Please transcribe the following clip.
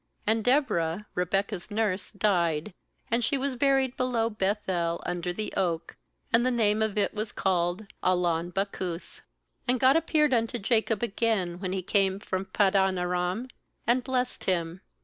8And Deborah Rebekah's nurse died, and she was buried below Beth el under the oak; and the name of it was called MJlon bacuth. 9And God appeared unto Jacob again, when he came from Paddan aram, and blessed him.